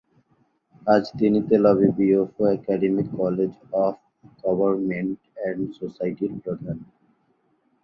আজ তিনি Tel Aviv Yafo academic কলেজের স্কুল অফ গভর্নমেন্ট অ্যান্ড সোসাইটির প্রধান।